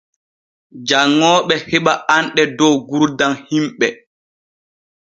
Janŋooɓe heɓa anɗe dow gurdam himɓe.